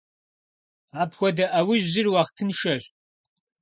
Апхуэдэ Ӏэужьыр уахътыншэщ.